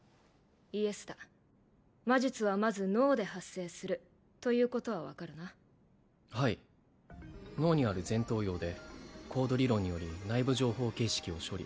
イエスだ魔術はまず脳で発生するということは分かるなはい脳にある前頭葉でコード理論により内部情報形式を処理